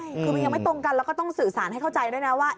ใช่คือมันยังไม่ตรงกันแล้วก็ต้องสื่อสารให้เข้าใจด้วยนะว่า